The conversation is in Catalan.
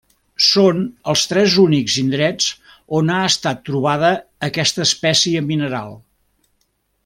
Són els tres únics indrets on ha estat trobada aquesta espècie mineral.